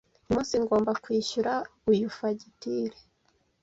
Uyu munsi ngomba kwishyura uyu fagitire.